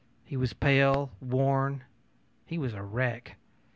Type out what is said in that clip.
He was pale, worn; he was a wreck.